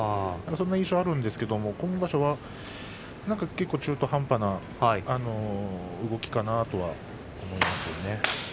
そんな印象があるんですけれど今場所は、なんか中途半端な動きかなとは思いますよね。